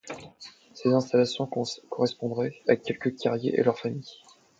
Ces installations correspondraient à quelques carriers et leurs familles.